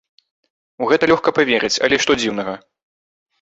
У гэта лёгка паверыць, але што дзіўнага?